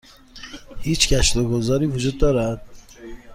هیچ گشت و گذاری وجود دارد؟